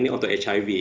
ini untuk hiv